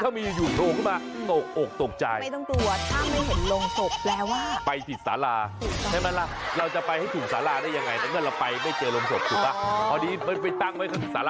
พิธาสิกไปเลยพี่เดี๋ยว